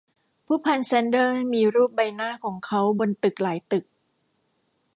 ผู้พันแซนเดอมีรูปใบหน้าของเค้าบนตึกหลายตึก